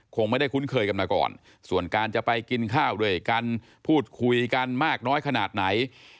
คงไม่ได้คุ้นเคยกันมาก่อนส่วนการจะไปกินข้าวด้วยกันพูดคุยกันมากน้อยขนาดไหน